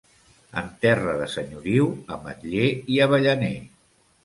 En terra de senyoriu, ametller i avellaner.